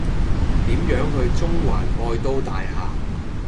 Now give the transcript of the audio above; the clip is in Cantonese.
點樣去中環愛都大廈